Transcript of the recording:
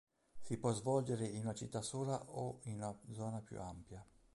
Si può svolgere in una città sola o in una zona più ampia.